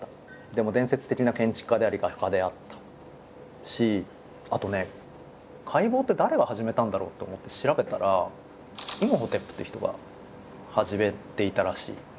でも伝説的な建築家であり画家であったしあとね解剖って誰が始めたんだろうと思って調べたらイムホテプって人が始めていたらしい。